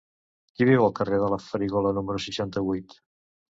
Qui viu al carrer de la Farigola número seixanta-vuit?